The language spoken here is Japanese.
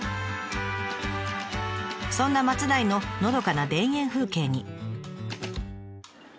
そんな松代ののどかな田園風景に。